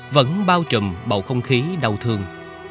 vẫn bao trùm bầu không khí đau thương